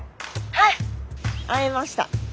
はい会えました。